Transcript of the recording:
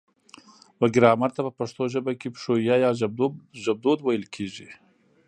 و ګرامر ته په پښتو ژبه کې پښويه يا ژبدود ويل کيږي